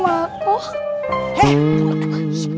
bukannya takut malah seneng